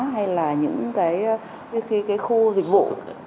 hay là những khu dịch vụ